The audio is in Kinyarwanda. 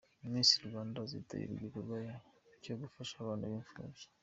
Misi Rwanda azitabira igikorwa cyo gufasha abana b’impfubyi